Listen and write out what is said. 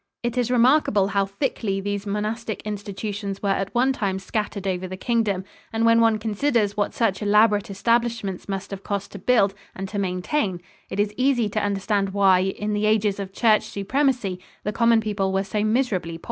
It is remarkable how thickly these monastic institutions were at one time scattered over the Kingdom, and when one considers what such elaborate establishments must have cost to build and to maintain, it is easy to understand why, in the ages of church supremacy, the common people were so miserably poor.